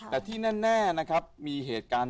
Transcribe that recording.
แต่ที่แน่นะครับมีเหตุการณ์